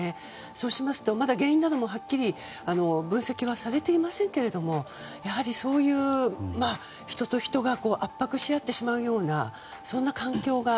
そうしますとまだ原因などもはっきり分析はされていませんけどもそういう人と人が圧迫し合ってしまうようなそんな環境が。